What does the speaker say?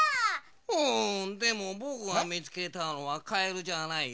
うんでもぼくがみつけたのはかえるじゃないよ。